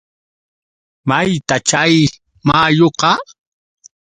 ¿mayta chay mayuqa?